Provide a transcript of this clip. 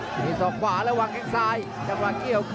ส่ายที่สองขวาและหวังแข่งซ้าย